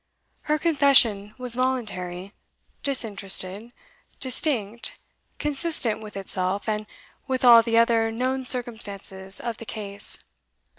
Her confession was voluntary, disinterested, distinct, consistent with itself, and with all the other known circumstances of the case.